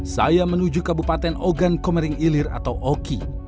saya menuju kabupaten ogan komering ilir atau oki